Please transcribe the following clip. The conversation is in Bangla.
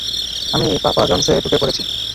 আমি পাপা জন্সে ঢুকে পড়েছি।